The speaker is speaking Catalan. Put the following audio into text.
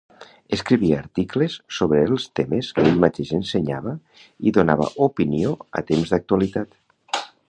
Escrivia articles sobre els temes que ell mateix ensenyava i donava opinió a temps d'actualitat.